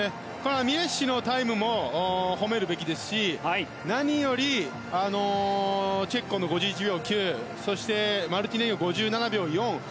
ミレッシのタイムも褒めるべきですしなによりチェッコンの５１秒９そしてマルティネンギの５７秒４。